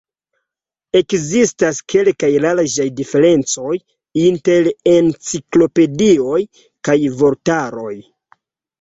Ekzistas kelkaj larĝaj diferencoj inter enciklopedioj kaj vortaroj.